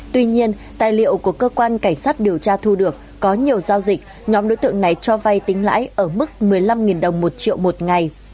tuy nhiên tài liệu của cơ quan cảnh sát điều tra thu được có nhiều giao dịch nhóm đối tượng này cho vay tính lãi ở mức một mươi năm đồng một triệu một ngày